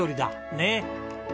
ねえ。